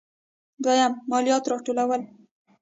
دویم: مالیات راټولول.